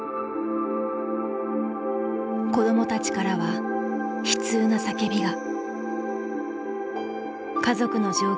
子どもたちからは悲痛な叫びが。